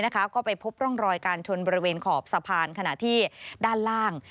ก็ไปพบร่องรอยการชนบริเวณขอบสะพานขณะที่ด้านล่าง